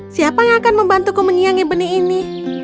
siapa yang akan membantuku menyiangi benih ini